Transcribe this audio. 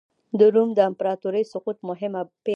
د روم د امپراتورۍ سقوط مهمه پېښه ده.